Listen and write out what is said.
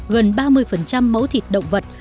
gần ba mươi mẫu thịt động vật